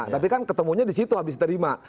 tapi kan ketemunya di situ habis terima